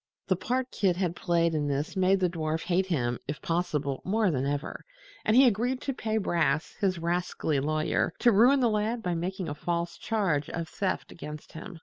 The part Kit had played in this made the dwarf hate him, if possible, more than ever, and he agreed to pay Brass, his rascally lawyer, to ruin the lad by making a false charge of theft against him.